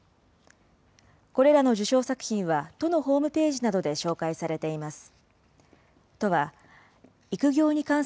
これらの受賞作品は都のホームページなどで紹介されています。